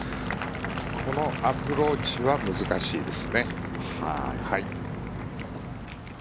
このアプローチは難しいですね。